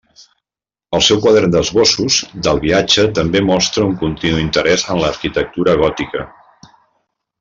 El seu quadern d'esbossos del viatge també mostra un continu interès en l'arquitectura gòtica.